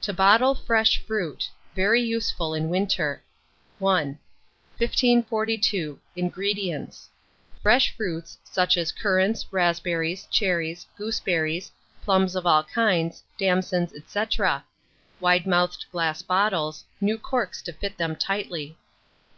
TO BOTTLE FRESH FRUIT. (Very useful in Winter.) I. 1542. INGREDIENTS. Fresh fruits, such as currants, raspberries, cherries, gooseberries, plums of all kinds, damsons, &c. wide mouthed glass bottles, new corks to fit them tightly.